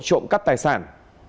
trộm cắt tài sản